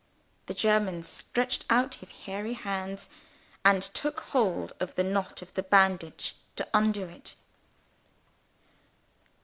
The German stretched out his hairy hands, and took hold of the knot of the bandage to undo it.